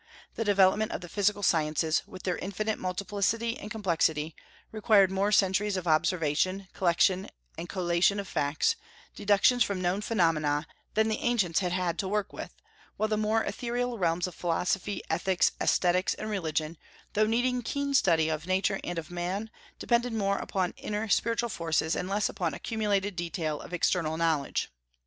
The development of the physical sciences, with their infinite multiplicity and complexity, required more centuries of observation, collection and collation of facts, deductions from known phenomena, than the ancients had had to work with; while the more ethereal realms of philosophy, ethics, aesthetics, and religion, though needing keen study of Nature and of man, depended more upon inner spiritual forces, and less upon accumulated detail of external knowledge.